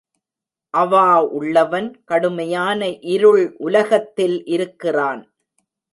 அவா உள்ளவன் கடுமையான இருள் உலகத்தில் இருக்கிறான்.